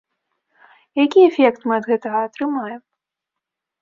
Які эфект мы ад гэтага атрымаем?